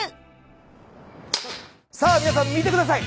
さあ皆さん見てください。